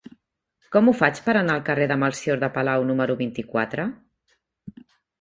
Com ho faig per anar al carrer de Melcior de Palau número vint-i-quatre?